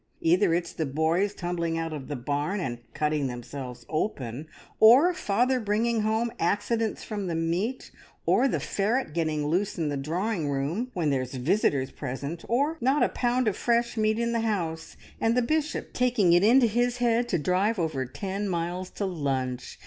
Either it's the boys tumbling out of the barn and cutting themselves open, or father bringing home accidents from the meet, or the ferret getting loose in the drawing room when there's visitors present, or not a pound of fresh meat in the house, and the Bishop taking it into his head to drive over ten miles to lunch!